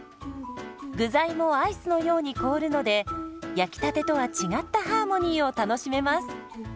具材もアイスのように凍るので焼きたてとは違ったハーモニーを楽しめます。